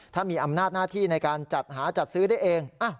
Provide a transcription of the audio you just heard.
ถ้ามีอำนาจหน้าที่ในการจัดหาจัดซื้อได้เอง